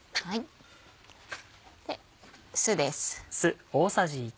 酢です。